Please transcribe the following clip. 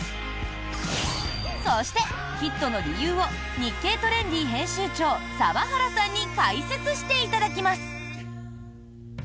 そして、ヒットの理由を「日経トレンディ」編集長澤原さんに解説していただきます！